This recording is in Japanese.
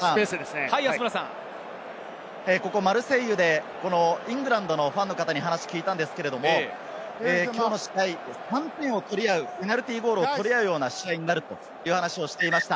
マルセイユでイングランドのファンの方に話を聞いたんですけれど、きょうの試合、ペナルティーゴールを取り合うような試合になるという話をしていました。